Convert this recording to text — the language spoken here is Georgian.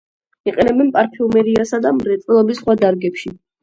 იყენებენ პარფიუმერიასა და მრეწველობის სხვა დარგებში.